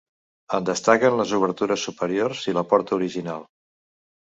En destaquen les obertures superiors i la porta original.